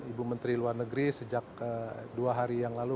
ibu menteri luar negeri sejak dua hari yang lalu